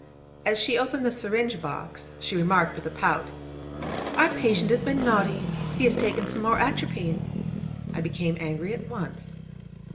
As she opened the syringe box, she remarked with a pout: 'Our patient has been naughty! He has taken some more atropine.' I became angry at once.